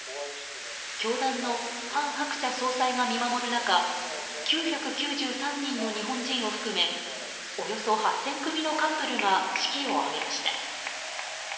教団の韓鶴子総裁が見守る中９９３人の日本人を含めおよそ８０００組のカップルが式を挙げました。